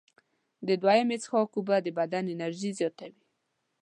د دویمې څښاک اوبه د بدن انرژي زیاتوي.